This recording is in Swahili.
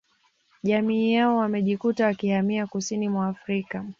Jamii yao wamejikuta wakihamia kusini mwa Afrika